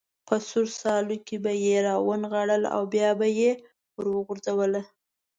په سور سالو کې به یې را ونغاړله او بیا به یې وروغورځوله.